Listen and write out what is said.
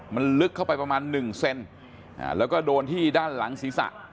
มันลึกเข้าไปประมาณหนึ่งเซนแล้วก็โดนที่ด้านหลังศีรษะ